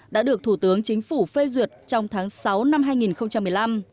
đã được thủ tướng chính phủ phê duyệt trong tháng sáu năm hai nghìn một mươi năm